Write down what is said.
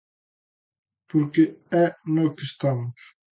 Porque é no que estamos.